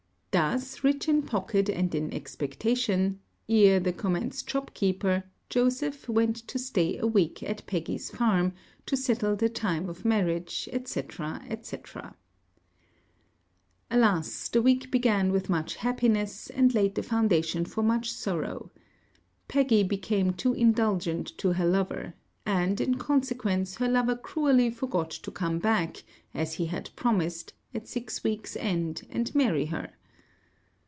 Thus, rich in pocket and in expectation, ere he commenced shopkeeper, Joseph went first to stay a week at Peggy's farm, to settle the time of marriage, &c. &c. Alas, the week began with much happiness, and laid the foundation for much sorrow. Peggy became too indulgent to her lover; and, in consequence, her lover cruelly forgot to come back, as he had promised, at six weeks end and marry her.